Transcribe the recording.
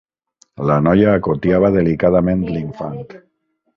La noia acotiava delicadament l'infant.